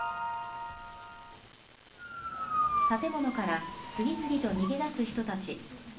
建物から次々と逃げ出す人たち。